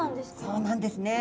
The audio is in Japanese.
そうなんですね。